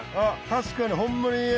確かにホンマにね